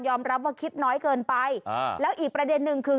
รับว่าคิดน้อยเกินไปอ่าแล้วอีกประเด็นหนึ่งคือ